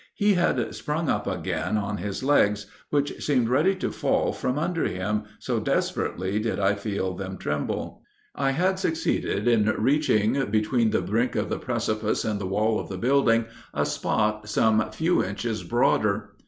He had sprung up again on his legs, which seemed ready to fall from under him, so desperately did I feel them tremble." "I had succeeded in reaching between the brink of the precipice and the wall of the building, a spot some few inches broader.